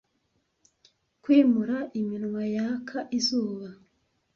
kwimura iminwa yaka izuba